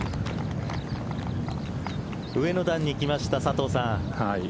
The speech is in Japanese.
上の段にきました、佐藤さん。